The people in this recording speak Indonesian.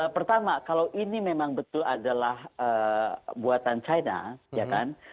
pertama kalau ini memang betul adalah buatan china ya kan